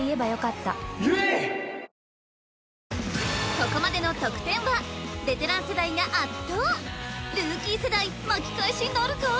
ここまでの得点はベテラン世代が圧倒ルーキー世代巻きかえしなるか？